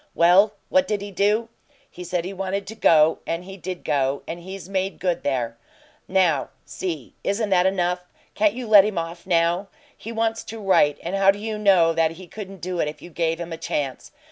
Well, what did he do? He said he wanted to go. And he did go, and he's made good there. Now, see: Isn't that enough? Can't you let him off now? He wants to write, and how do you know that he couldn't do it if you gave him a chance?